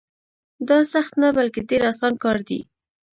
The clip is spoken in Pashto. دا سخت نه بلکې ډېر اسان کار دی.